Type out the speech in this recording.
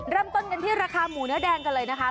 เริ่มต้นกันที่ราคาหมูเนื้อแดงกันเลยนะคะ